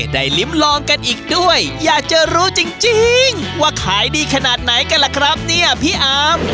ลิ้มลองกันอีกด้วยอยากจะรู้จริงว่าขายดีขนาดไหนกันล่ะครับเนี่ยพี่อาร์ม